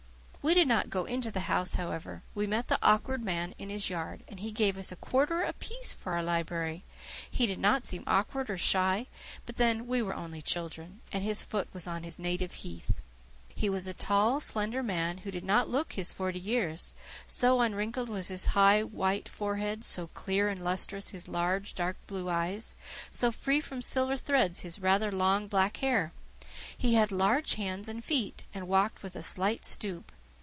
We did not get into the house, however. We met the Awkward man in his yard, and he gave us a quarter apiece for our library. He did not seem awkward or shy; but then we were only children, and his foot was on his native heath. He was a tall, slender man, who did not look his forty years, so unwrinkled was his high, white forehead, so clear and lustrous his large, dark blue eyes, so free from silver threads his rather long black hair. He had large hands and feet, and walked with a slight stoop.